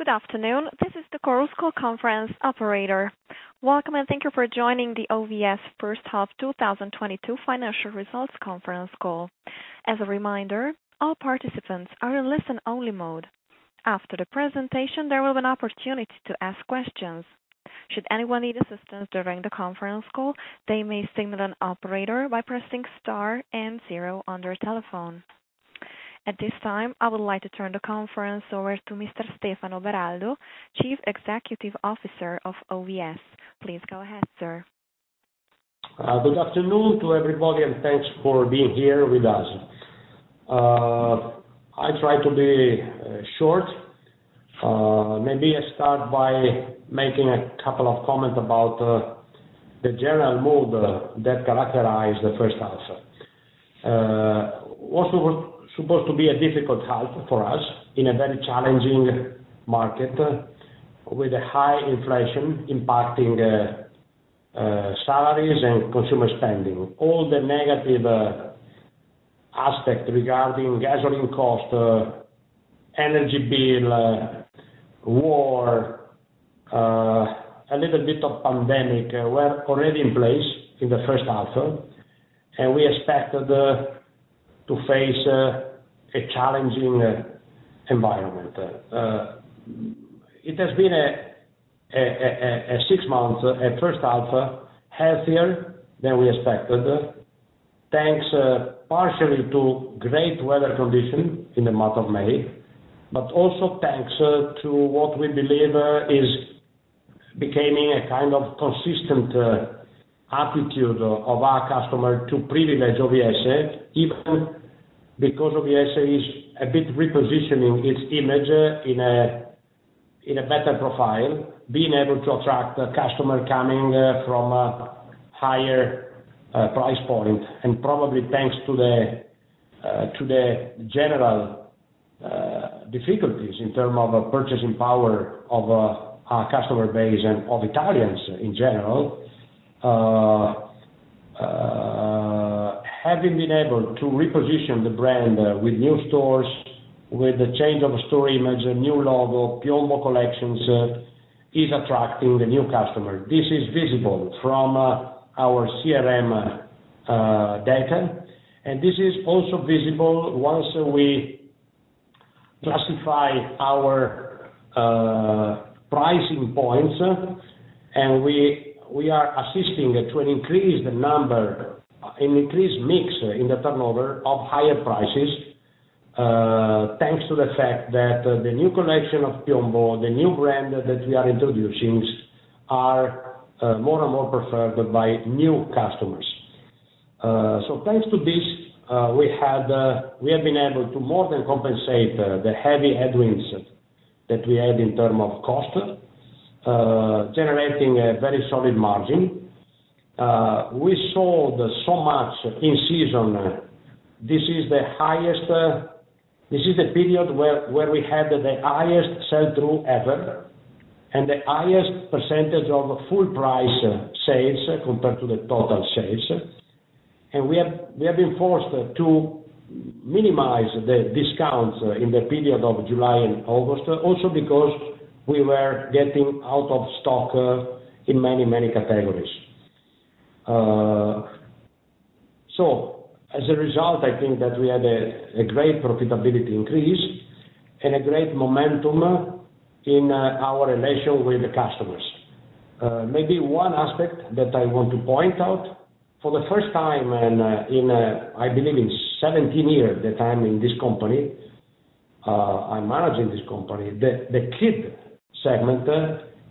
Good afternoon, this is the Chorus Call conference operator. Welcome, and thank you for joining the OVS first half 2022 financial results conference call. As a reminder, all participants are in listen-only mode. After the presentation, there will be an opportunity to ask questions. Should anyone need assistance during the conference call, they may signal an operator by pressing star and zero on their telephone. At this time, I would like to turn the conference over to Mr. Stefano Beraldo, Chief Executive Officer of OVS. Please go ahead, sir. Good afternoon to everybody, and thanks for being here with us. I try to be short. Maybe I start by making a couple of comments about the general mood that characterize the first half. Also was supposed to be a difficult half for us in a very challenging market with a high inflation impacting salaries and consumer spending. All the negative aspect regarding gasoline cost, energy bill, war, a little bit of pandemic were already in place in the first half, and we expected to face a challenging environment. It has been a six months at first half, healthier than we expected. Thanks, partially to great weather condition in the month of May, but also thanks to what we believe is becoming a kind of consistent attitude of our customer to privilege OVS, even because OVS is a bit repositioning its image in a better profile, being able to attract the customer coming from a higher price point. Probably thanks to the general difficulties in terms of purchasing power of our customer base and of Italians in general. Having been able to reposition the brand with new stores, with the change of store image, a new logo, Piombo collections, is attracting the new customer. This is visible from our CRM data, and this is also visible once we classify our pricing points. We are witnessing an increased mix in the turnover of higher prices, thanks to the fact that the new collection of Piombo, the new brand that we are introducing, are more and more preferred by new customers. So thanks to this, we have been able to more than compensate the heavy headwinds that we had in terms of cost, generating a very solid margin. We sold so much in season. This is the period where we had the highest sell-through ever and the highest percentage of full price sales compared to the total sales. We have been forced to minimize the discounts in the period of July and August, also because we were getting out of stock in many categories. As a result, I think that we had a great profitability increase and a great momentum in our relation with the customers. Maybe one aspect that I want to point out. For the first time in I believe 17 years that I'm in this company, I'm managing this company, the kid segment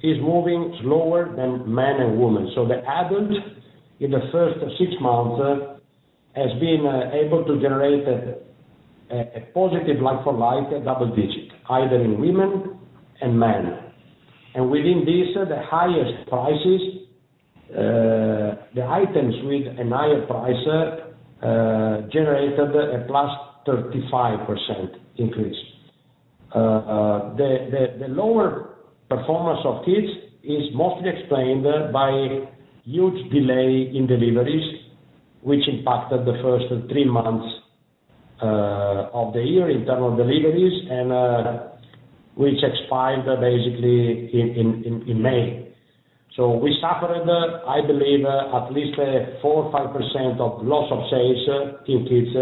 is moving slower than man and woman. The adult in the first six months has been able to generate a positive like for like double digit, either in women and men. Within this, the highest prices, the items with a higher price, generated a +35% increase. The lower performance of kids is mostly explained by huge delay in deliveries, which impacted the first three months of the year in terms of deliveries and which expired basically in May. We suffered, I believe, at least 4% or 5% loss of sales in kids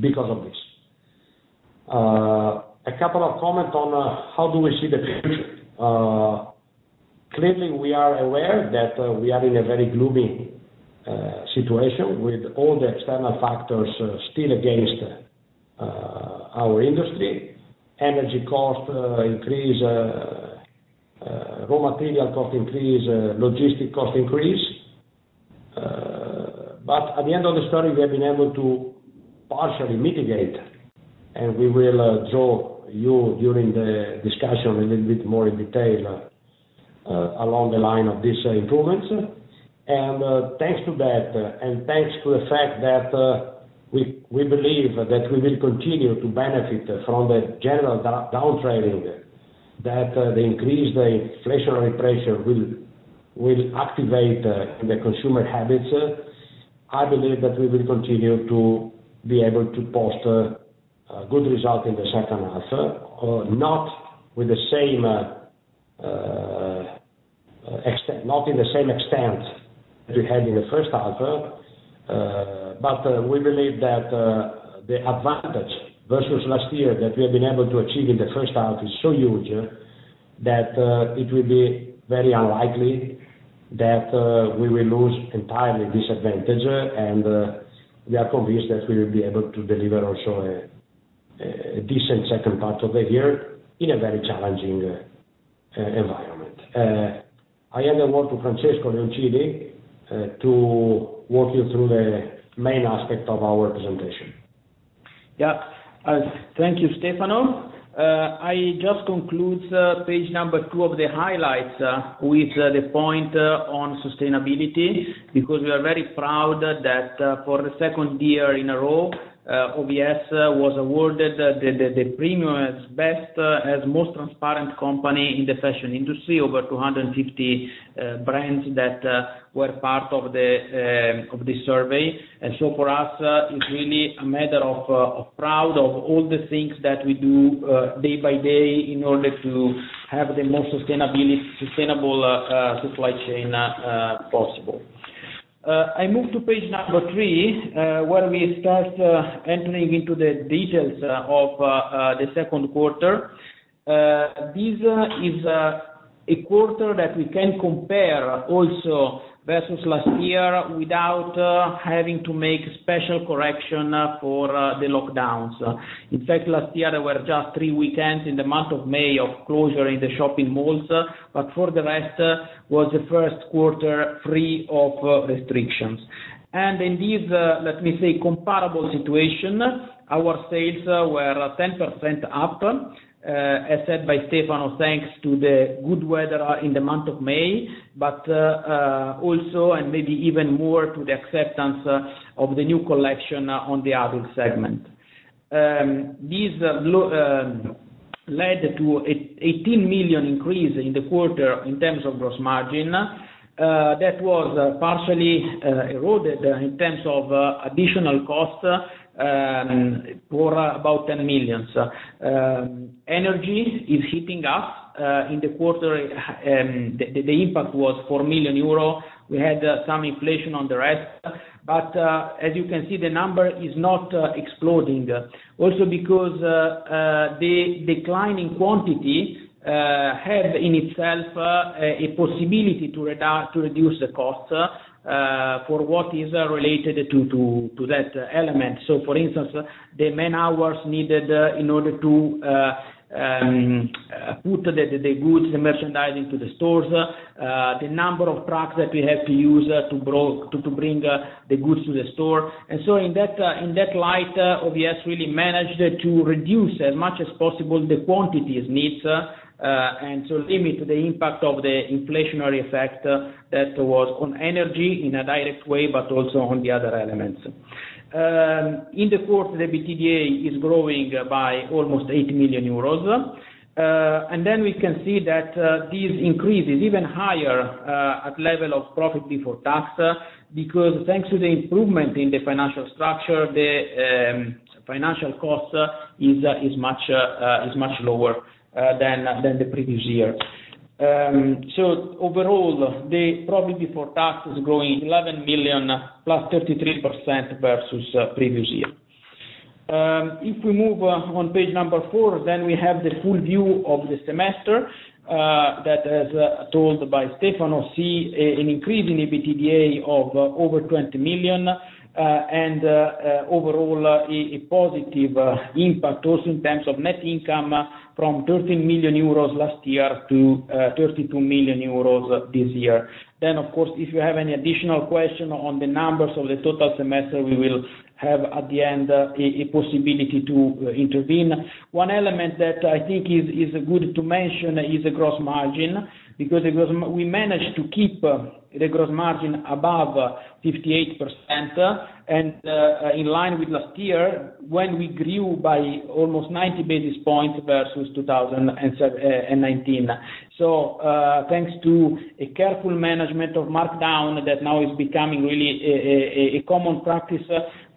because of this. A couple of comments on how we see the future. Clearly, we are aware that we are in a very gloomy situation with all the external factors still against our industry. Energy cost increase, raw material cost increase, logistic cost increase. At the end of the day, we have been able to partially mitigate, and we will show you during the discussion a little bit more in detail along the lines of these improvements. Thanks to that and thanks to the fact that we believe that we will continue to benefit from the general downtrending, that the increased inflationary pressure will activate the consumer habits. I believe that we will continue to be able to post a good result in the second half, not in the same extent that we had in the first half. We believe that the advantage versus last year that we have been able to achieve in the first half is so huge, that it will be very unlikely that we will lose entirely this advantage. We are convinced that we will be able to deliver also a decent second part of the year in a very challenging environment.I hand over to Francesco Leoncini to walk you through the main aspect of our presentation. Yeah. Thank you, Stefano. I just conclude page number 2 of the highlights with the point on sustainability, because we are very proud that for the second year in a row OVS was awarded the premium as best as most transparent company in the fashion industry, over 250 brands that were part of the survey. For us, it's really a matter of pride of all the things that we do day by day in order to have the most sustainable supply chain possible. I move to page number 3 where we start entering into the details of the second quarter. This is a quarter that we can compare also versus last year without having to make special correction for the lockdowns. In fact, last year there were just three weekends in the month of May of closure in the shopping malls, but for the rest was the first quarter free of restrictions. In this, let me say, comparable situation, our sales were 10% up, as said by Stefano, thanks to the good weather in the month of May, but also, and maybe even more to the acceptance of the new collection on the adult segment. This led to 18 million increase in the quarter in terms of gross margin. That was partially eroded in terms of additional costs for about 10 million. Energy is hitting us in the quarter. The impact was 4 million euro. We had some inflation on the rest, but as you can see, the number is not exploding, also because the declining quantity have in itself a possibility to reduce the cost, for what is related to that element. For instance, the man-hours needed in order to put the goods, the merchandising to the stores, the number of trucks that we have to use to bring the goods to the store. In that light, OVS really managed to reduce as much as possible the quantities needs, and to limit the impact of the inflationary effect that was on energy in a direct way, but also on the other elements. In the quarter, the EBITDA is growing by almost 8 million euros. Then we can see that this increase is even higher at level of profit before tax, because thanks to the improvement in the financial structure, the financial cost is much lower than the previous year. Overall, the profit before tax is growing 11 million plus 33% versus previous year. If we move on page number 4, we have the full view of the semester that, as told by Stefano, we see an increase in EBITDA of over 20 million, and overall a positive impact also in terms of net income from 13 million euros last year to 32 million euros this year. Of course, if you have any additional question on the numbers of the total semester, we will have at the end a possibility to intervene. One element that I think is good to mention is the gross margin, because we managed to keep the gross margin above 58% and in line with last year when we grew by almost 90 basis points versus 2019. Thanks to a careful management of markdown that now is becoming really a common practice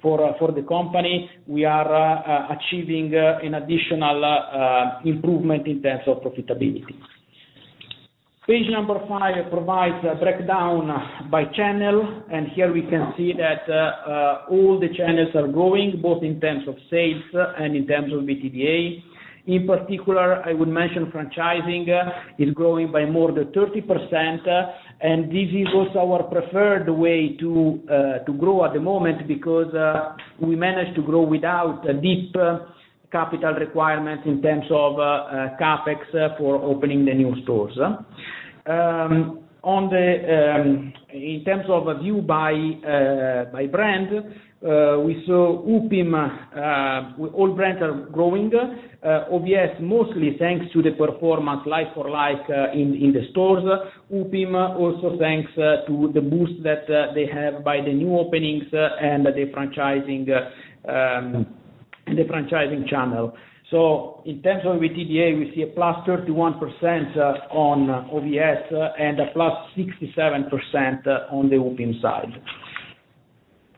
for the company, we are achieving an additional improvement in terms of profitability. Page number 5 provides a breakdown by channel, and here we can see that all the channels are growing, both in terms of sales and in terms of EBITDA. In particular, I would mention franchising is growing by more than 30%, and this is also our preferred way to grow at the moment because we managed to grow without a deep capital requirement in terms of CapEx for opening the new stores. In terms of a view by brand, we saw Upim. All brands are growing. OVS mostly thanks to the performance like for like in the stores. Upim also thanks to the boost that they have by the new openings and the franchising in the franchising channel. In terms of EBITDA, we see a +31% on OVS and a +67% on the Upim side.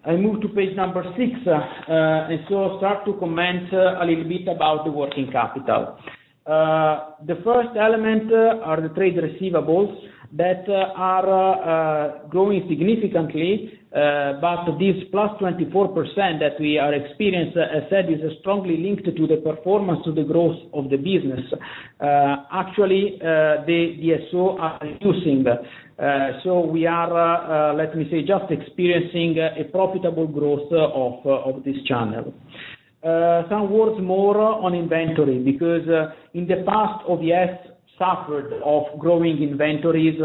I move to page 6 and start to comment a little bit about the working capital. The first element are the trade receivables that are growing significantly, but this +24% that we are experiencing, as said, is strongly linked to the performance of the growth of the business. Actually, the DSO are reducing. We are, let me say, just experiencing a profitable growth of this channel. Some words more on inventory, because in the past, OVS suffered of growing inventories,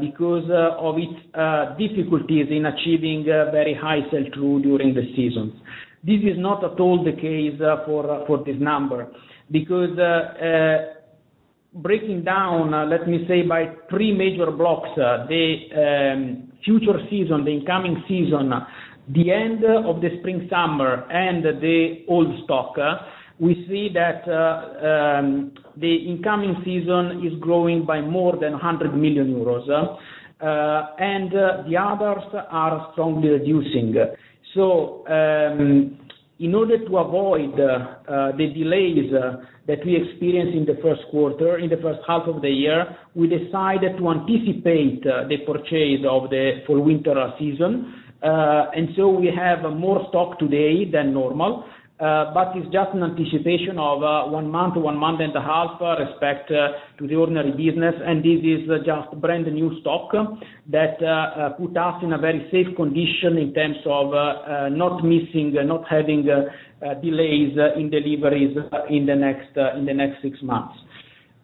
because of its difficulties in achieving very high sell-through during the season. This is not at all the case for this number. Because breaking down, let me say by three major blocks, the future season, the incoming season, the end of the spring-summer and the old stock, we see that the incoming season is growing by more than 100 million euros, and the others are strongly reducing. In order to avoid the delays that we experienced in the first quarter, in the first half of the year, we decided to anticipate the purchase of the full winter season. We have more stock today than normal, but it's just an anticipation of one month to one month and a half with respect to the ordinary business. This is just brand-new stock that put us in a very safe condition in terms of not missing, not having delays in deliveries in the next six months.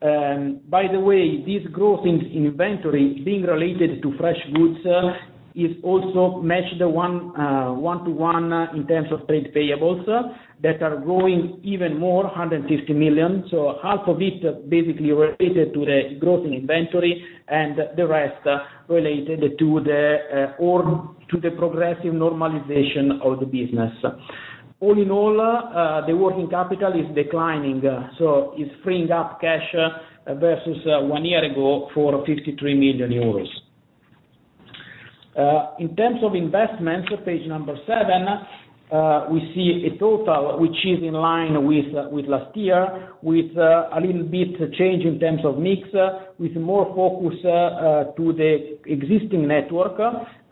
By the way, this growth in inventory being related to fresh goods is also matched one to one in terms of trade payables that are growing even more, 150 million. Half of it basically related to the growth in inventory and the rest related to the progressive normalization of the business. All in all, the working capital is declining, so it's freeing up cash versus one year ago for 53 million euros. In terms of investments, page 7, we see a total which is in line with last year, with a little bit change in terms of mix, with more focus to the existing network,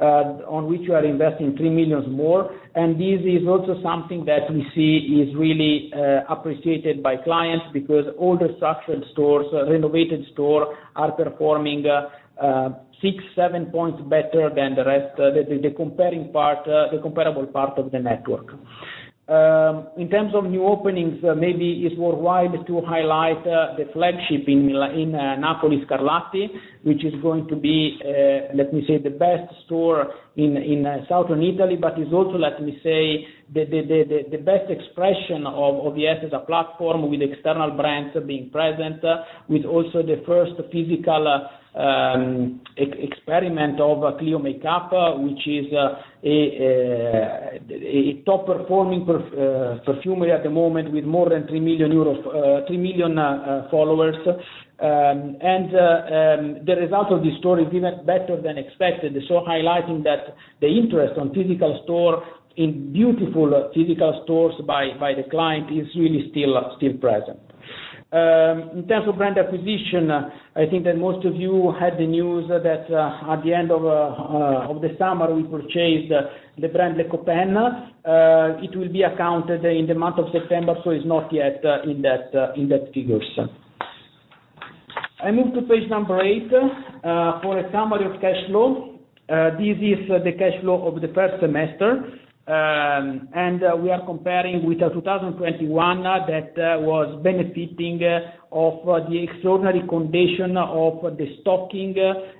on which we are investing 3 million more. This is also something that we see is really appreciated by clients because all the structured stores, renovated stores are performing 6-7 points better than the rest, the comparable part of the network. In terms of new openings, maybe it's worthwhile to highlight the flagship in Napoli Scarlatti, which is going to be, let me say, the best store in Southern Italy, but is also, let me say, the best expression of OVS as a platform with external brands being present, with also the first physical experiment of ClioMakeUp, which is a top performing perfumery at the moment with more than 3 million euros, 3 million followers. The result of the store is even better than expected, highlighting that the interest in physical store in beautiful physical stores by the client is really still present. In terms of brand acquisition, I think that most of you had the news that at the end of the summer, we purchased the brand Les Copains. It will be accounted in the month of September, so it's not yet in that figures. I move to page number 8 for a summary of cash flow. This is the cash flow of the first semester, and we are comparing with 2021 that was benefiting of the extraordinary condition of the stocking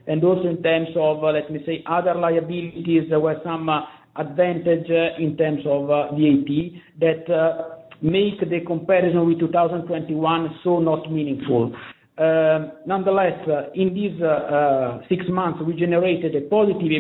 and also in terms of, let me say, other liabilities. There were some advantage in terms of VAT that make the comparison with 2021 so not meaningful. Nonetheless, in these six months, we generated a positive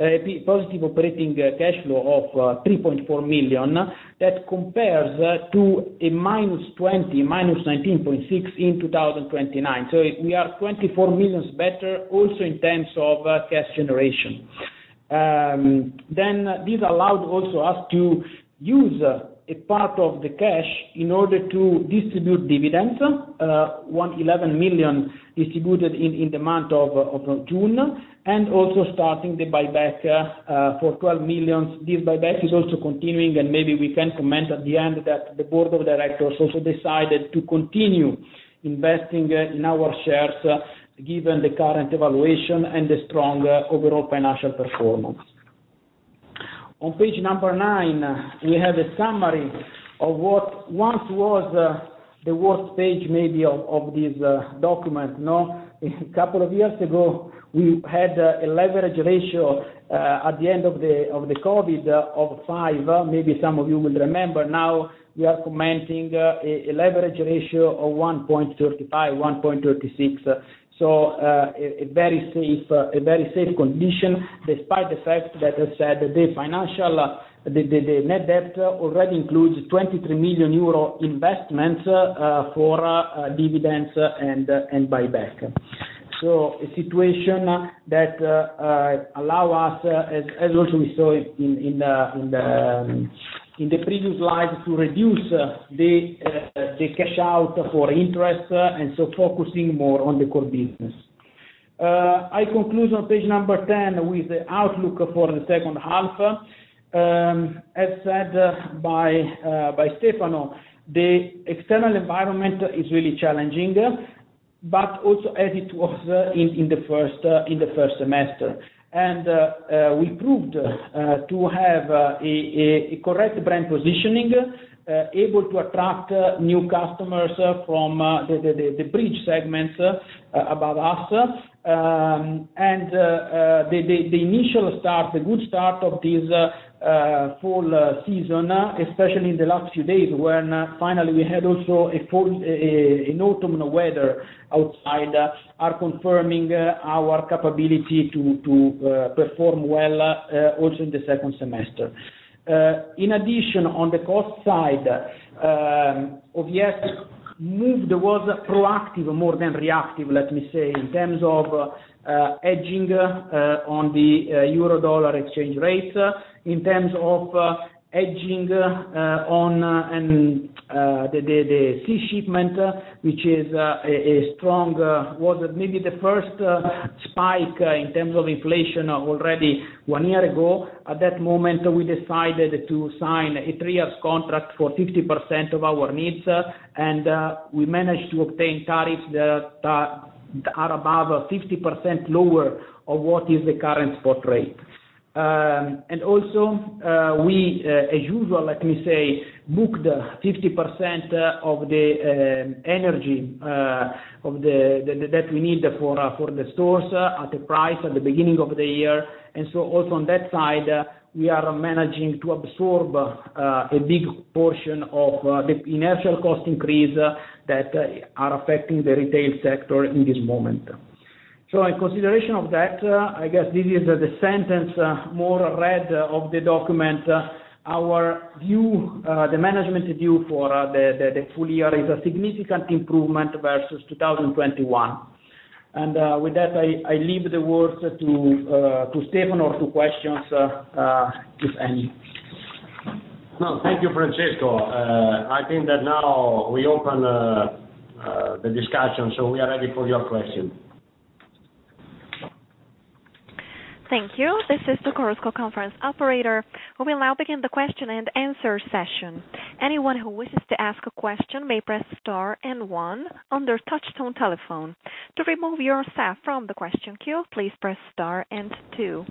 EBITDA, positive operating cash flow of 3.4 million. That compares to a minus 20 million, minus 19.6 million in 2029. We are 24 million better also in terms of cash generation. This also allowed us to use a part of the cash in order to distribute dividends, 111 million distributed in the month of June, and also starting the buyback for 12 million. This buyback is also continuing, and maybe we can comment at the end that the board of directors also decided to continue investing in our shares, given the current evaluation and the strong overall financial performance. On page 9, we have a summary of what once was the worst page maybe of this document, no? A couple of years ago, we had a leverage ratio at the end of the COVID of 5. Maybe some of you will remember. Now we are commenting a leverage ratio of 1.35, 1.36. A very safe condition, despite the fact that, as said, the net financial debt already includes 23 million euro investment for dividends and buyback. A situation that allow us, as also we saw in the previous slide, to reduce the cash out for interest, and so focusing more on the core business. I conclude on page number 10 with the outlook for the second half. As said by Stefano, the external environment is really challenging, but also as it was in the first semester. We proved to have a correct brand positioning able to attract new customers from the bridge segments above us. The initial start, the good start of this fall season, especially in the last few days, when finally we had also an autumnal weather outside, are confirming our capability to perform well also in the second semester. In addition, on the cost side, OVS was more proactive than reactive, let me say, in terms of hedging on the euro/dollar exchange rate, in terms of hedging on the sea shipment, which was maybe the first spike in terms of inflation already one year ago. At that moment, we decided to sign a three years contract for 50% of our needs, and we managed to obtain tariffs that are above 50% lower of what is the current spot rate. And also, as usual, let me say, booked 50% of the energy that we need for the stores at the price at the beginning of the year. Also on that side, we are managing to absorb a big portion of the inertial cost increase that are affecting the retail sector in this moment. In consideration of that, I guess this is the sense, more or less, of the document. Our view, the management view for the full year is a significant improvement versus 2021. With that, I leave the word to Stefano to questions, if any. No, thank you, Francesco. I think that now we open the discussion, so we are ready for your question. Thank you. This is the Chorus Call conference operator. We will now begin the question and answer session. Anyone who wishes to ask a question may press star and one on their touch tone telephone. To remove yourself from the question queue, please press star and two.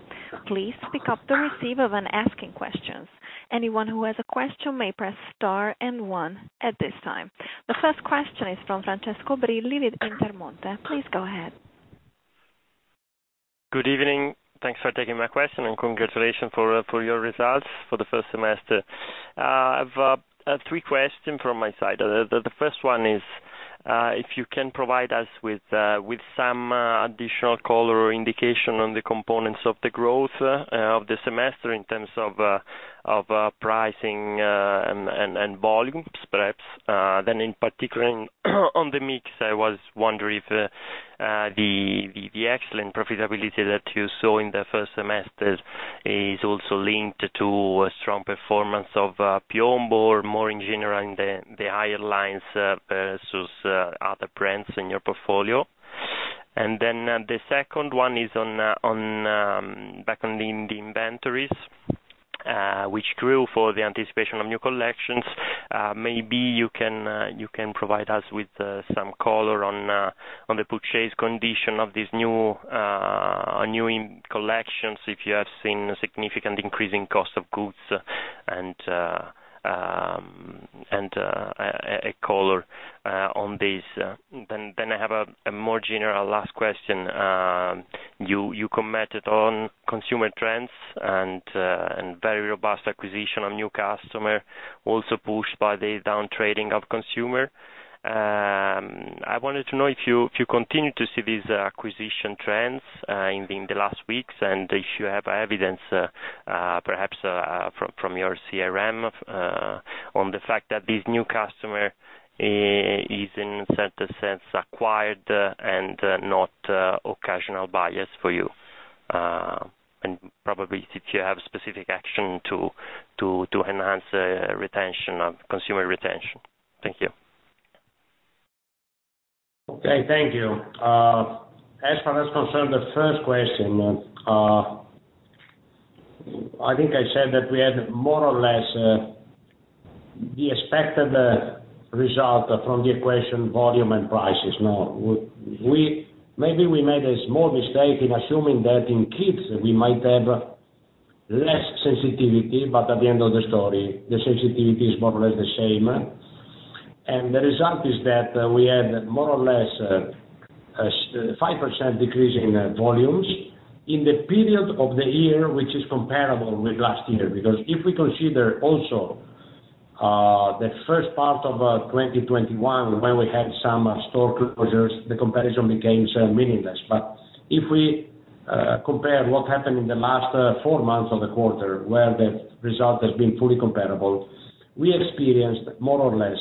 Please pick up the receiver when asking questions. Anyone who has a question may press star and one at this time. The first question is from Francesco Brilli with Intermonte. Please go ahead. Good evening. Thanks for taking my question, and congratulations for your results for the first semester. I've three questions from my side. The first one is if you can provide us with some additional color or indication on the components of the growth of the semester in terms of pricing and volumes, perhaps. In particular on the mix, I was wondering if the excellent profitability that you saw in the first semester is also linked to a strong performance of Piombo or more in general in the higher lines versus other brands in your portfolio. The second one is on back on the inventories, which grew for the anticipation of new collections. Maybe you can provide us with some color on the purchase condition of these new in collections, if you have seen a significant increase in cost of goods, and a color on this. I have a more general last question. You commented on consumer trends and very robust acquisition of new customer, also pushed by the down trading of consumer. I wanted to know if you continue to see these acquisition trends in the last weeks, and if you have evidence perhaps from your CRM on the fact that this new customer is in a certain sense acquired and not occasional buyers for you. Probably if you have specific action to enhance retention of consumer retention. Thank you. Okay, thank you. As far as concerned, the first question, I think I said that we had more or less the expected result from the equation volume and prices. Now, we maybe made a small mistake in assuming that in kids we might have less sensitivity, but at the end of the story, the sensitivity is more or less the same. The result is that we had more or less a 5% decrease in volumes in the period of the year, which is comparable with last year. If we consider also the first part of 2021, when we had some store closures, the comparison became meaningless. If we compare what happened in the last four months of the quarter, where the result has been fully comparable. We experienced more or less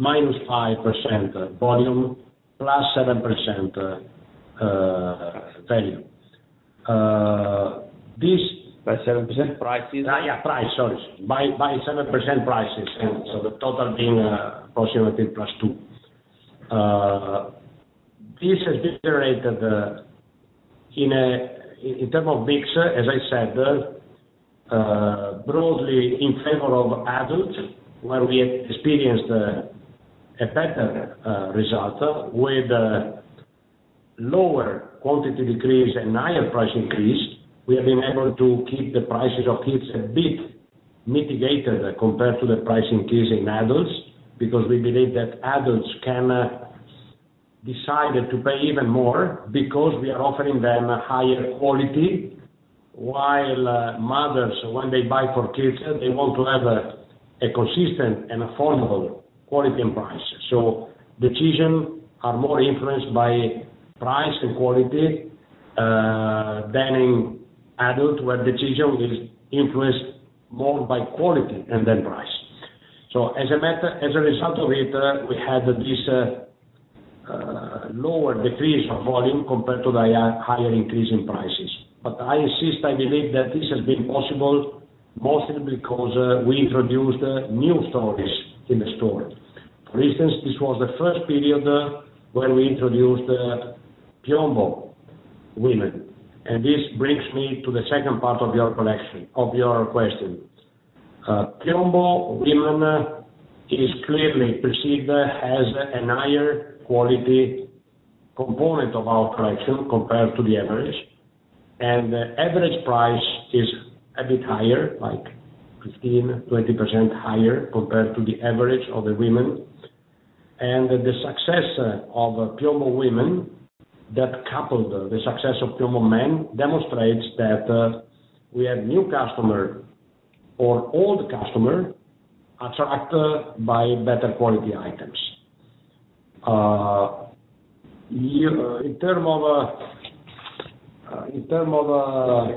-5% volume, +7% value. This By 7% prices? Yeah, price, sorry. By 7% prices. The total being approximately +2%. This has been generated in terms of mix, as I said, broadly in favor of adults, where we experienced a better result with lower quantity decrease and higher price increase. We have been able to keep the prices of kids a bit mitigated compared to the price increase in adults, because we believe that adults can decide to pay even more because we are offering them a higher quality. While mothers, when they buy for kids, they want to have a consistent and affordable quality and price. Decisions are more influenced by price and quality than in adults, where decision is influenced more by quality and then price. As a result of it, we had this lower decrease of volume compared to the higher increase in prices. I insist, I believe that this has been possible mostly because we introduced new stores in the store. For instance, this was the first period where we introduced Piombo women, and this brings me to the second part of your question. Piombo women is clearly perceived as a higher quality component of our collection compared to the average. The average price is a bit higher, like 15, 20% higher compared to the average of the women. The success of Piombo women that coupled the success of Piombo men demonstrates that we have new customer or old customer attracted by better quality items. In terms of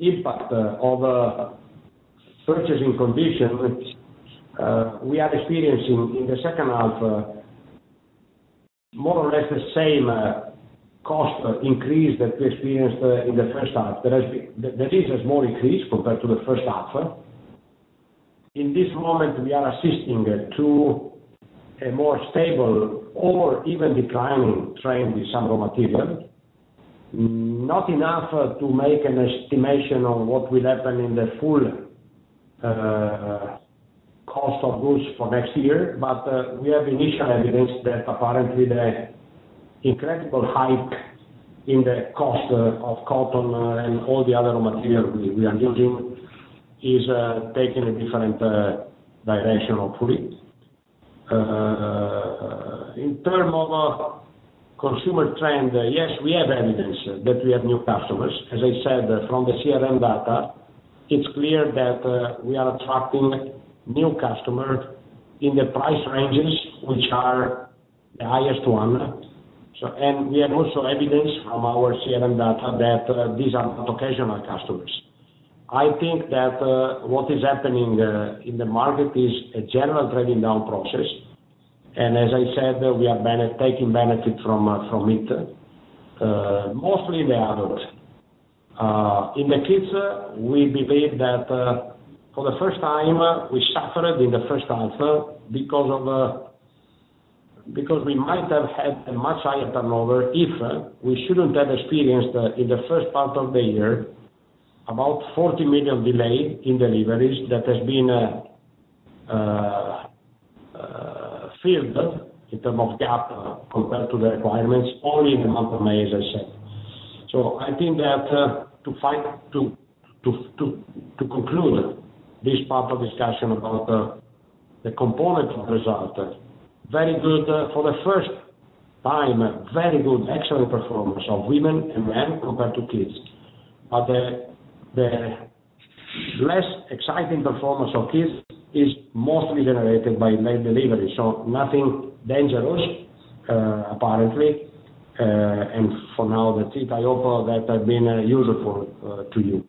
impact of purchasing conditions, we are experiencing in the second half more or less the same cost increase that we experienced in the first half. There is a small increase compared to the first half. In this moment, we are witnessing a more stable or even declining trend in some raw material. Not enough to make an estimation on what will happen in the full cost of goods for next year, but we have initial evidence that apparently the incredible hike in the cost of cotton and all the other material we are using is taking a different direction hopefully. In terms of consumer trend, yes, we have evidence that we have new customers. As I said, from the CRM data, it's clear that we are attracting new customer in the price ranges, which are the highest one. We have also evidence from our CRM data that these are occasional customers. I think that what is happening in the market is a general trading down process. As I said, we are benefiting from it, mostly in the adult. In the kids, we believe that for the first time, we suffered in the first half because we might have had a much higher turnover if we shouldn't have experienced in the first part of the year, about 40 million delay in deliveries that has been filled in terms of gap compared to the requirements only in the month of May, as I said. I think that to conclude this part of discussion about the component result, very good, for the first time, very good, excellent performance of women and men compared to kids. The less exciting performance of kids is mostly generated by late delivery, so nothing dangerous, apparently. For now, that's it. I hope that I've been useful to you.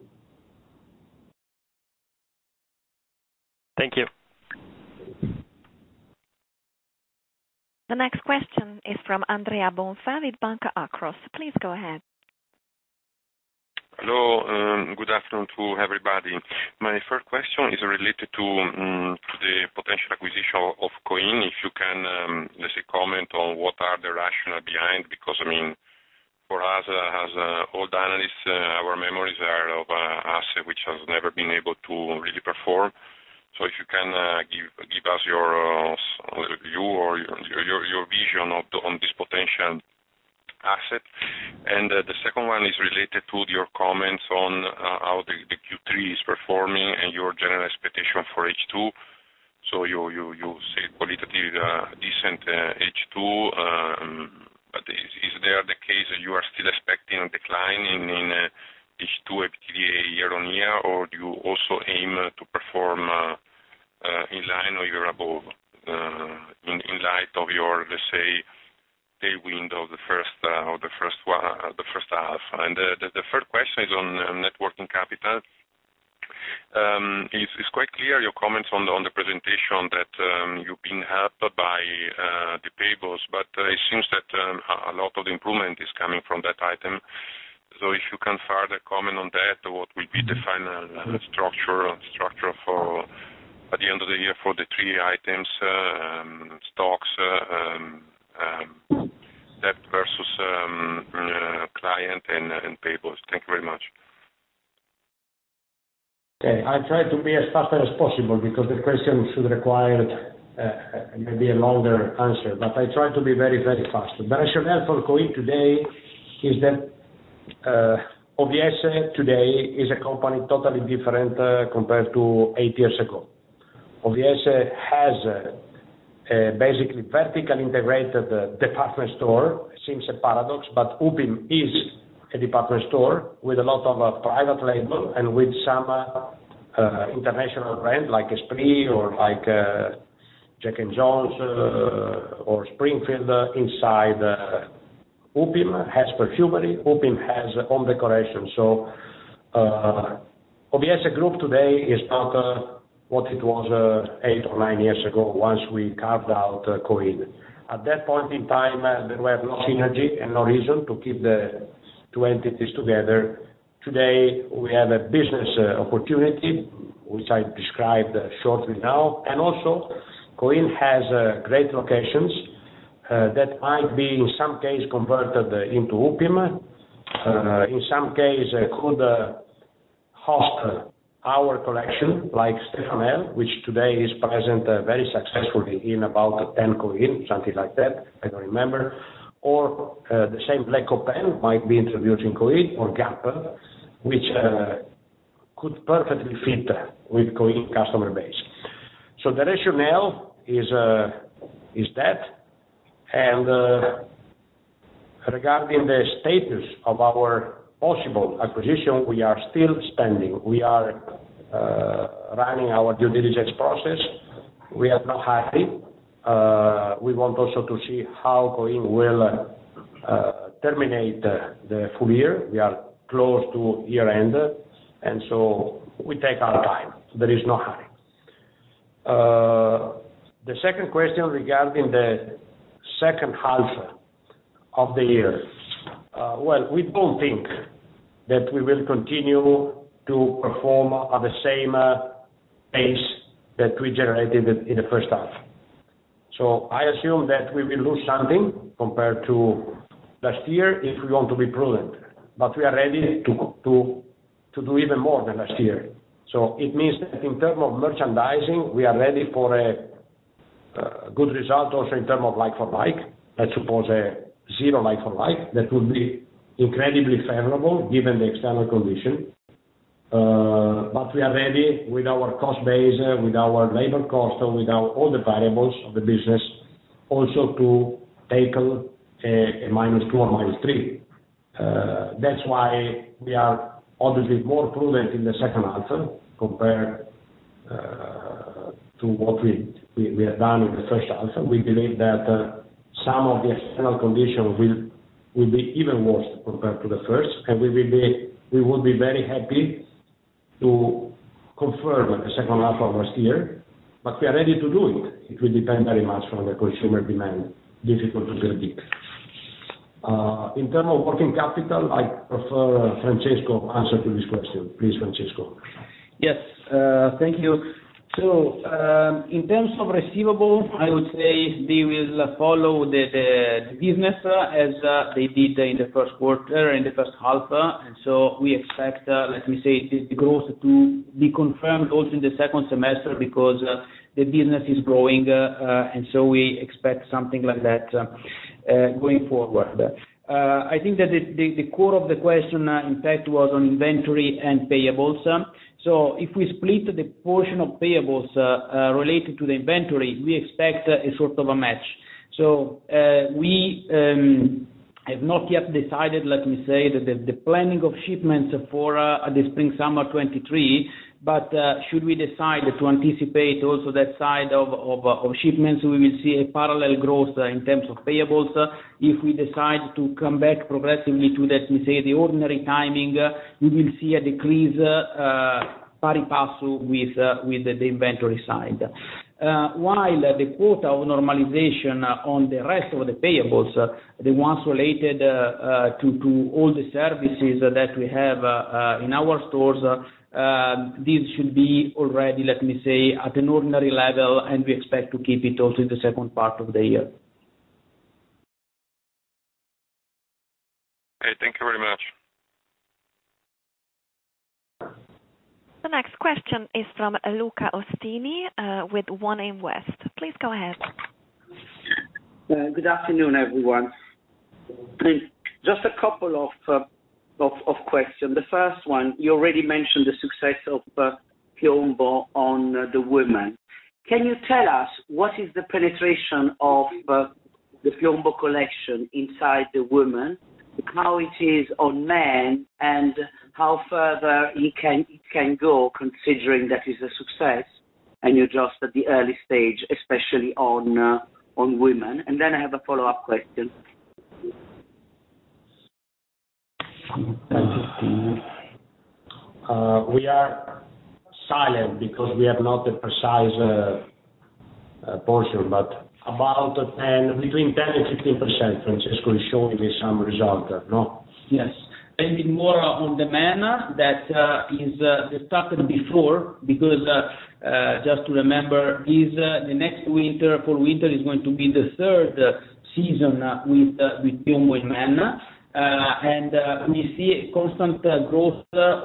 Thank you. The next question is from Andrea Bonfà with Banca Akros. Please go ahead. Hello, good afternoon to everybody. My first question is related to the potential acquisition of Coin. If you can just comment on what are the rationale behind, because I mean, for us, as all analysts, our memories are of asset which has never been able to really perform. So if you can give us your view or your vision on this potential asset. The second one is related to your comments on how the Q3 is performing and your general expectation for H2. You said qualitatively decent H2, but is there the case you are still expecting a decline in H2 EBITDA year-on-year? Do you also aim to perform in line or even above in light of your, let's say tailwind of the first half. The third question is on working capital. It's quite clear your comments on the presentation that you're being helped by the payables, but it seems that a lot of the improvement is coming from that item. If you can further comment on that, what will be the final structure at the end of the year for the three items, stocks, debt versus client and payables? Thank you very much. Okay, I'll try to be as fast as possible because the question should require maybe a longer answer, but I try to be very, very fast. The rationale for Coin today is that OVS today is a company totally different compared to eight years ago. OVS has basically vertically integrated the department store. It seems a paradox, but Upim is a department store with a lot of private label and with some international brand like Esprit or like Jack & Jones or Springfield inside Upim. Has perfumery, Upim has home decoration. OVS group today is not what it was eight or nine years ago once we carved out Coin. At that point in time, there were no synergy and no reason to keep the two entities together. Today, we have a business opportunity, which I described shortly now, and also Coin has great locations that might be in some case converted into Upim. In some case could host our collection like Stefanel, which today is present very successfully in about 10 Coin, something like that, I don't remember. The same Black Open might be introduced in Coin or Gamma, which could perfectly fit with Coin customer base. The rationale is that. Regarding the status of our possible acquisition, we are still standing. We are running our due diligence process. We are not happy. We want also to see how Coin will terminate the full year. We are close to year-end, and so we take our time. There is no hurry. The second question regarding the second half of the year. We don't think that we will continue to perform at the same pace that we generated in the first half. I assume that we will lose something compared to last year if we want to be prudent. We are ready to do even more than last year. It means that in term of merchandising, we are ready for a good result also in term of like for like. Let's suppose a 0% like for like, that would be incredibly favorable given the external condition. We are ready with our cost base, with our labor cost, with our all the variables of the business also to tackle a -2% or -3%. That's why we are obviously more prudent in the second half compared to what we have done in the first half. We believe that some of the external conditions will be even worse compared to the first, and we would be very happy to confirm the second half of last year, but we are ready to do it. It will depend very much on the consumer demand, difficult to predict. In terms of working capital, I prefer Francesco answer to this question. Please, Francesco. Yes, thank you. In terms of receivables, I would say they will follow the business as they did in the first quarter, in the first half. We expect, let me say, this growth to be confirmed also in the second semester because the business is growing, and so we expect something like that going forward. I think that the core of the question, in fact, was on inventory and payables. If we split the portion of payables related to the inventory, we expect a sort of a match. We have not yet decided, let me say, the planning of shipments for the spring/summer 2023, but should we decide to anticipate also that side of shipments, we will see a parallel growth in terms of payables. If we decide to come back progressively to, let me say, the ordinary timing, we will see a decrease pari passu with the inventory side. While the quota of normalization on the rest of the payables, the ones related to all the services that we have in our stores, this should be already, let me say, at an ordinary level, and we expect to keep it also the second part of the year. Okay, thank you very much. The next question is from Luca Ostini, with 1AM West Please go ahead. Good afternoon, everyone. Just a couple of questions. The first one, you already mentioned the success of Piombo on the women. Can you tell us what is the penetration of the Piombo collection inside the women, how it is on men, and how further it can go considering that is a success? You're just at the early stage, especially on women. Then I have a follow-up question. We are silent because we have not a precise position, but between 10% and 15%. Francesco is showing me some result, no? Yes. Maybe more on the men that is discussed before because just to remember for winter is going to be the third season with Piombo men. We see a constant growth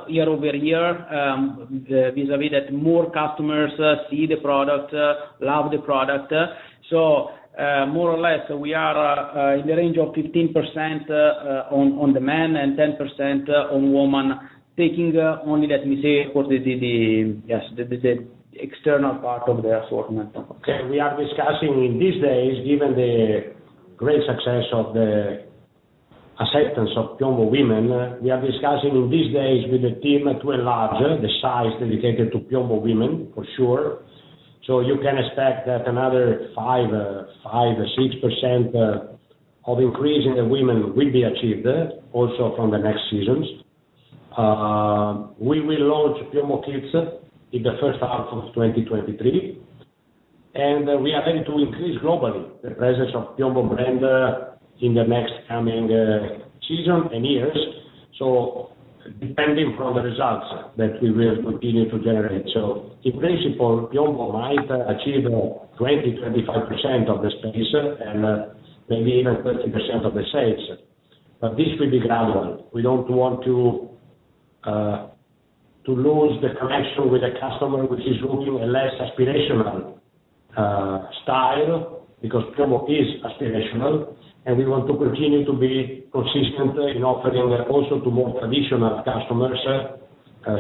year-over-year vis-a-vis that more customers see the product, love the product. More or less, we are in the range of 15% on the men and 10% on women, taking only let me say, of course, the external part of the assortment. We are discussing in these days with the team to enlarge the size dedicated to Piombo Women for sure, given the great success of the acceptance of Piombo Women. You can expect that another 5 or 6% of increase in the women will be achieved also from the next seasons. We will launch Piombo Kids in the first half of 2023, and we are aiming to increase globally the presence of Piombo brand in the next coming season and years. Depending on the results that we will continue to generate. In principle, Piombo might achieve 20-25% of the space and maybe even 30% of the sales. This will be gradual. We don't want to lose the connection with the customer, which is looking for a less aspirational style, because Piombo is aspirational, and we want to continue to be consistent in offering also to more traditional customers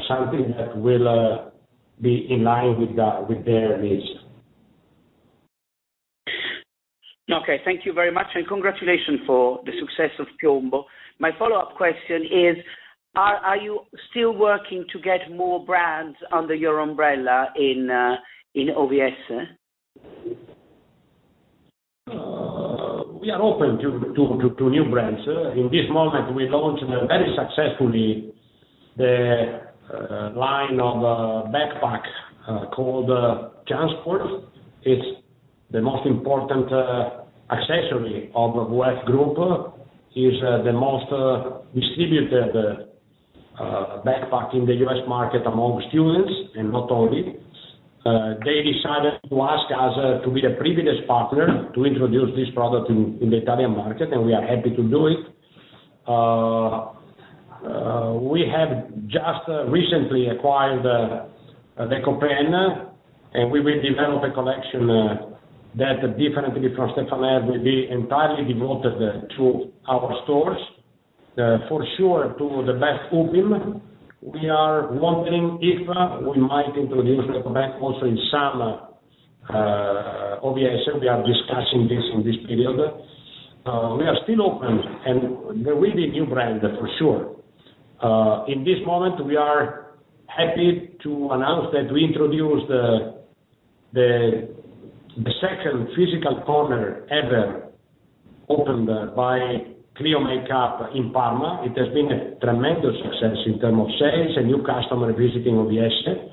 something that will be in line with their needs. Okay, thank you very much, and congratulations for the success of Piombo. My follow-up question is, are you still working to get more brands under your umbrella in OVS? We are open to new brands. In this moment, we launched very successfully the line of backpack called JanSport. It's the most important accessory of West Group, is the most distributed backpack in the U.S. market among students and not only. They decided to ask us to be the privileged partner to introduce this product in the Italian market, and we are happy to do it. We have just recently acquired Les Copains, and we will develop a collection that differently from Stefanel will be entirely devoted to our stores, for sure to the best Upim. We are wondering if we might introduce Les Copains also in some OVS. We are discussing this in this period. We are still open, and there will be new brand for sure. In this moment, we are happy to announce that we introduced the second physical corner ever opened by ClioMakeUp in Parma. It has been a tremendous success in terms of sales and new customers visiting OVS.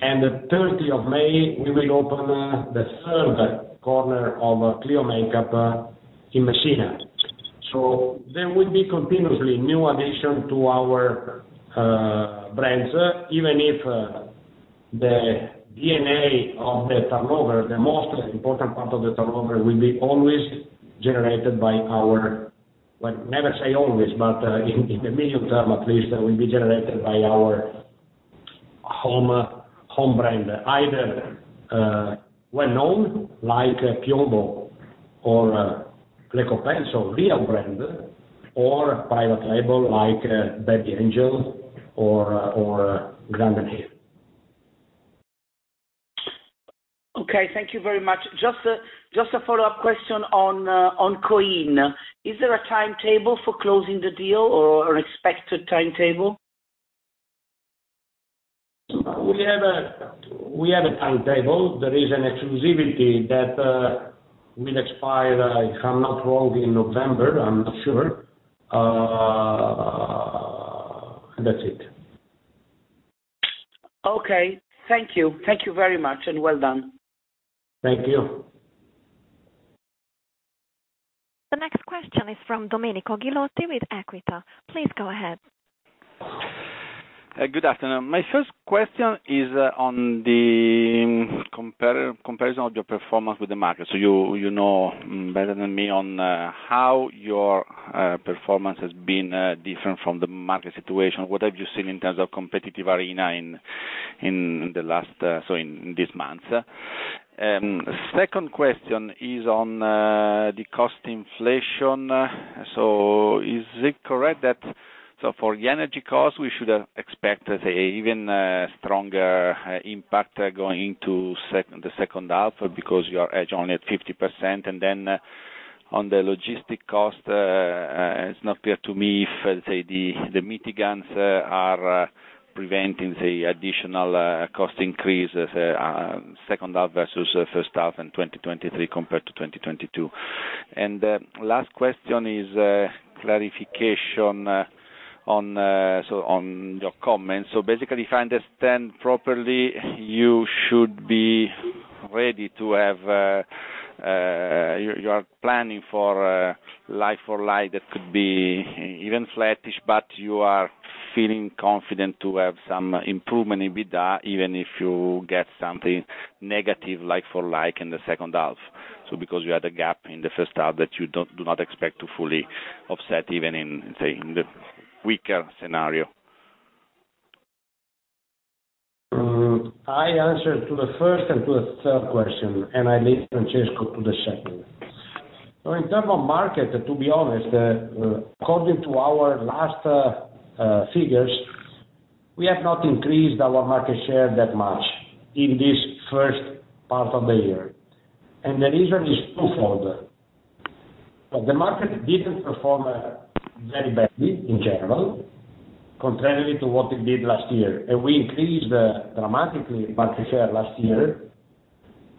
The 30th of May, we will open the third corner of ClioMakeUp in Messina. There will be continuously new additions to our brands, even if the DNA of the turnover, the most important part of the turnover, will always be generated by our own brands. Well, never say always, but in the medium term at least, it will be generated by our own brands, either well-known like Piombo or Les Copains, so real brands, or private label like Baby Angel or Grand & Hills. Okay, thank you very much. Just a follow-up question on Coin. Is there a timetable for closing the deal or an expected timetable? We have a timetable. There is an exclusivity that will expire, if I'm not wrong, in November. I'm not sure. That's it. Okay. Thank you. Thank you very much, and well done. Thank you. The next question is from Domenico Ghilotti with Equita. Please go ahead. Good afternoon. My first question is on the comparison of your performance with the market. You know better than me on how your performance has been different from the market situation. What have you seen in terms of competitive arena in the last so in this month? Second question is on the cost inflation. Is it correct that for the energy cost, we should expect an even stronger impact going into the second half because you are hedged only at 50%, and then. On the logistic cost, it's not clear to me if, let's say, the mitigants are preventing the additional cost increase in the second half versus first half in 2023 compared to 2022. Last question is a clarification on your comments. Basically, if I understand properly, you are planning for like for like that could be even flattish, but you are feeling confident to have some improvement in EBITDA even if you get something negative like for like in the second half. Because you had a gap in the first half that you do not expect to fully offset even in, say, the weaker scenario. I answer to the first and to the third question, and I leave Francesco to the second. In terms of market, to be honest, according to our last figures, we have not increased our market share that much in this first part of the year. The reason is twofold. The market didn't perform very badly in general, contrary to what it did last year. We increased dramatically market share last year,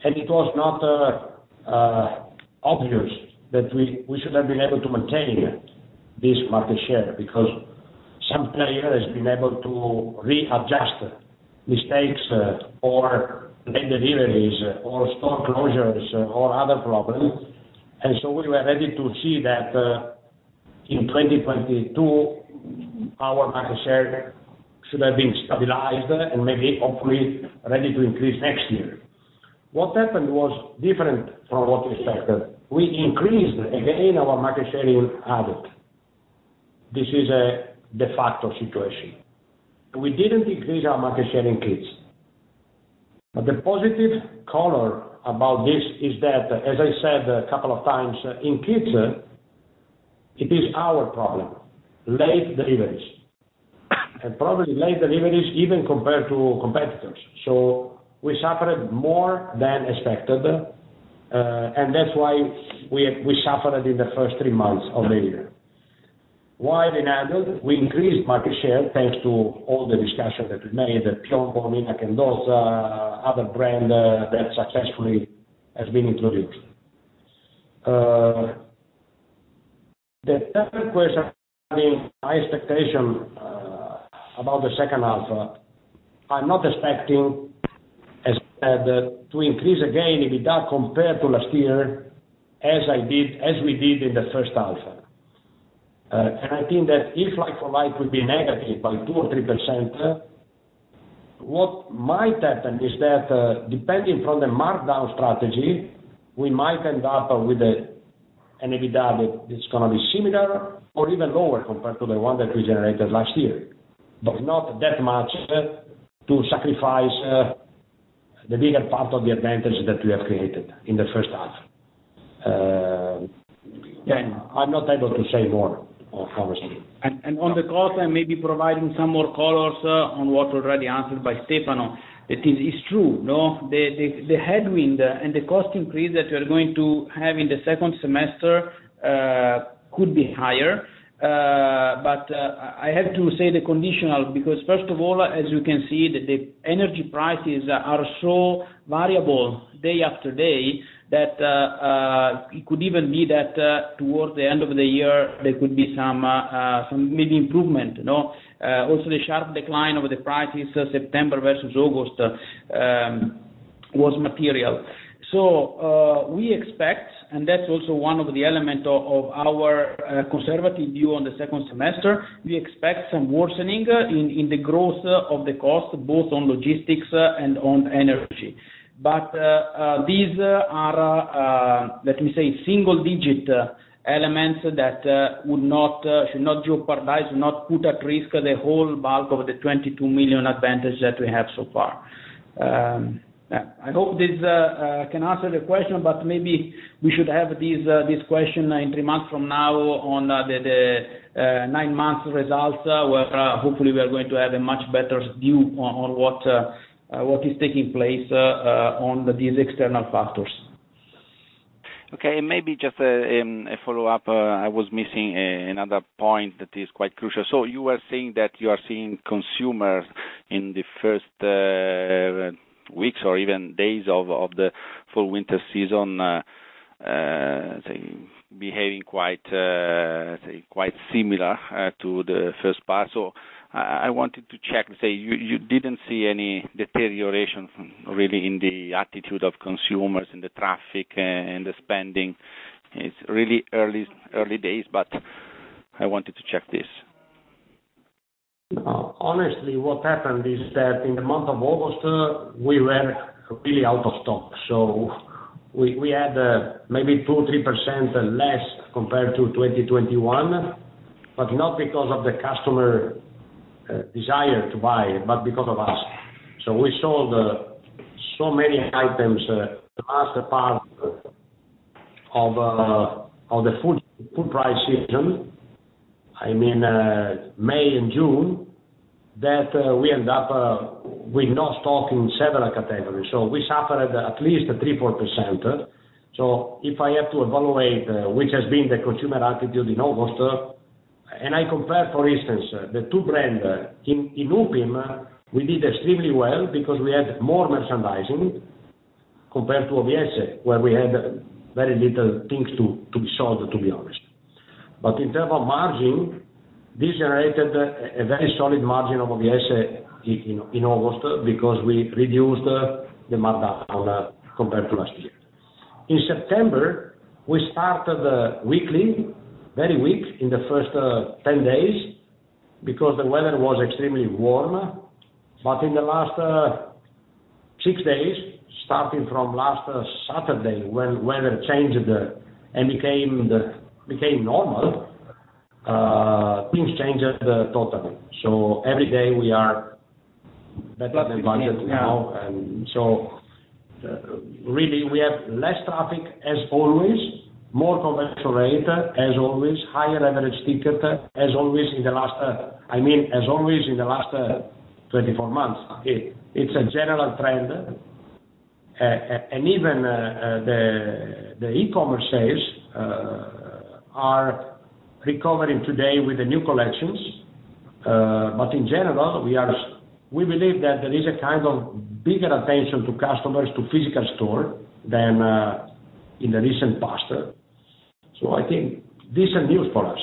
and it was not obvious that we should have been able to maintain this market share because some player has been able to readjust mistakes or late deliveries, or store closures, or other problems. We were ready to see that in 2022, our market share should have been stabilized and maybe hopefully ready to increase next year. What happened was different from what we expected. We increased again our market share in adult. This is the key factor situation. We didn't increase our market share in kids. The positive color about this is that, as I said a couple of times, in kids, it is our problem, late deliveries, and probably late deliveries even compared to competitors. We suffered more than expected, and that's why we suffered in the first three months of the year. While in adult, we increased market share, thanks to all the decisions that we made, Piombo, Stefanel and those other brand that successfully has been included. The third question, I mean, my expectation about the second half, I'm not expecting as to increase again EBITDA compared to last year, as we did in the first half. I think that if like for like would be negative by 2% or 3%, what might happen is that, depending on the markdown strategy, we might end up with an EBITDA that is gonna be similar or even lower compared to the one that we generated last year. Not that much to sacrifice the bigger part of the advantage that we have created in the first half. I'm not able to say more on perfumery. On the cost, I may be providing some more colors on what already answered by Stefano. It is true, no? The headwind and the cost increase that we are going to have in the second semester could be higher. I have to say the conditional, because first of all, as you can see, the energy prices are so variable day after day that it could even be that towards the end of the year, there could be some maybe improvement, you know. Also the sharp decline of the prices September versus August was material. We expect, that's also one of the elements of our conservative view on the second semester. We expect some worsening in the growth of the costs, both on logistics and on energy. These are, let me say, single-digit elements that should not jeopardize, should not put at risk the whole bulk of the 22 million advantage that we have so far. I hope this can answer the question, but maybe we should have this question in 3 months from now on, the 9 months results, where hopefully we are going to have a much better view on what is taking place on these external factors. Okay. Maybe just a follow-up. I was missing another point that is quite crucial. You are saying that you are seeing consumers in the first weeks or even days of the full winter season, say, behaving quite, say, quite similar to the first part. I wanted to check, say, you didn't see any deterioration really in the attitude of consumers, in the traffic, and the spending. It's really early days, but I wanted to check this. Honestly, what happened is that in the month of August, we were really out of stock. We had maybe 2-3% less compared to 2021, but not because of the customer desire to buy, but because of us. We sold so many items the last part of the full price season. I mean, May and June that we end up with no stock in several categories. We suffered at least 3-4%. If I have to evaluate which has been the consumer attitude in August, and I compare, for instance, the two brands. In Upim, we did extremely well because we had more merchandising compared to OVS, where we had very little things to be sold, to be honest. In terms of margin, this generated a very solid margin of OVS in August because we reduced the markdown compared to last year. In September, we started weakly very weak in the first 10 days because the weather was extremely warm. In the last six days, starting from last Saturday, when weather changed and became normal, things changed totally. Every day we are better than budget now. Really we have less traffic as always, more conversion rate as always, higher average ticket as always in the last I mean, as always in the last 24 months. It's a general trend. Even the e-commerce sales are recovering today with the new collections. In general, we believe that there is a kind of bigger attention to customers to physical store than in the recent past. I think decent news for us.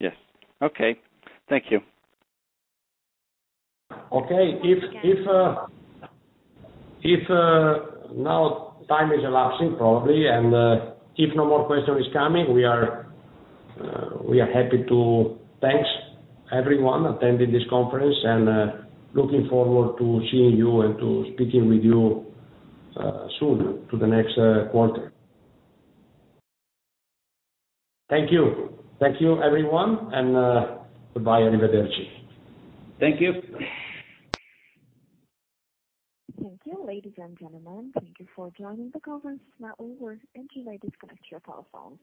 Yes. Okay. Thank you. If now, time is elapsing probably, and if no more question is coming, we are happy to thank everyone attending this conference and looking forward to seeing you and to speaking with you soon, to the next quarter. Thank you. Thank you, everyone, and goodbye. Arrivederci. Thank you. Thank you, ladies and gentlemen. Thank you for joining the conference. It's now over, and you may disconnect your telephones.